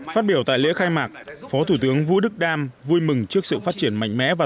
phát biểu tại lễ khai mạc phó thủ tướng vũ đức đam vui mừng trước sự phát triển mạnh mẽ và